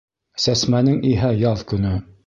Сәсмәнең иһә яҙ көнө